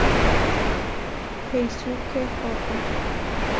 Keisuke Ota